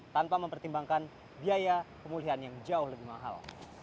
tanpa mempertimbangkan biaya pemulihan yang jauh lebih mahal